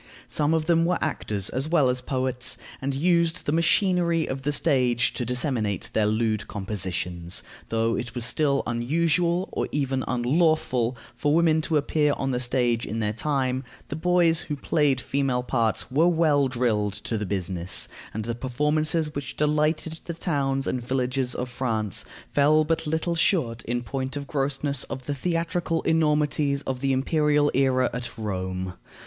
Some of them were actors as well as poets, and used the machinery of the stage to disseminate their lewd compositions. Though it was still unusual, or even unlawful, for women to appear on the stage in their time, the boys who played female parts were well drilled to the business, and the performances which delighted the towns and villages of France fell but little short, in point of grossness, of the theatrical enormities of the imperial era at Rome.